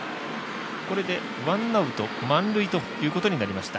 これでワンアウト満塁ということになりました。